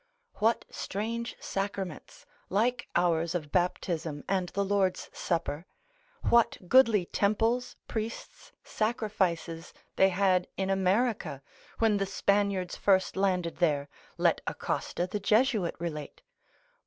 What strange sacraments, like ours of Baptism and the Lord's Supper, what goodly temples, priests, sacrifices they had in America, when the Spaniards first landed there, let Acosta the Jesuit relate, lib.